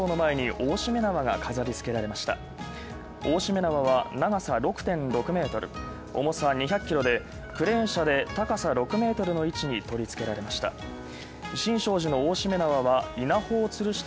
大しめ縄は長さ６．６メートル、重さ２００キロで、クレーン車で高さ６メートルの位置に取り付けられました。